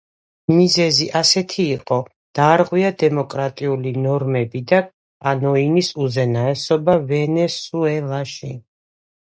მიზეზი ასეთი იყო: დაარღვია დემოკრატიული ნორმები და კანოინის უზენაესობა ვენესუელაში.